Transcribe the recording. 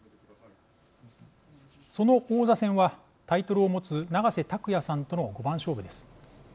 その王座戦はタイトルを持つ永瀬拓矢さんとの五番勝負です。